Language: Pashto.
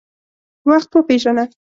وخت وپیژنه.